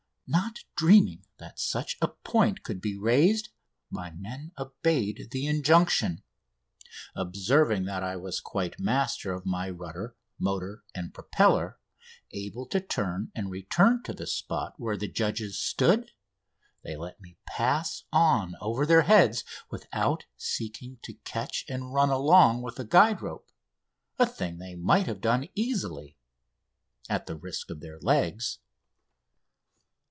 Not dreaming that such a point could be raised, my men obeyed the injunction. Observing that I was quite master of my rudder, motor, and propeller, able to turn and return to the spot where the judges stood, they let me pass on over their heads without seeking to catch and run along with the guide rope, a thing they might have done easily at the risk of their legs.